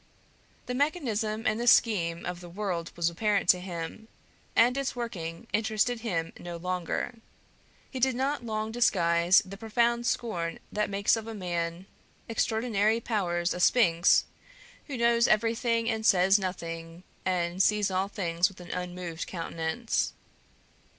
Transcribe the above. The mechanism and the scheme of the world was apparent to him, and its working interested him no longer; he did not long disguise the profound scorn that makes of a man of extraordinary powers a sphinx who knows everything and says nothing, and sees all things with an unmoved countenance.